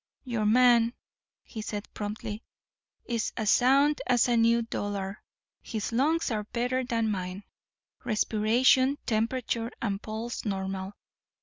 "Your man," he said promptly, "is as sound as a new dollar. His lungs are better than mine. Respiration, temperature, and pulse normal.